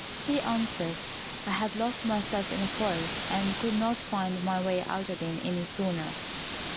He answered, "I had lost myself in a forest, and could not find my way out again any sooner."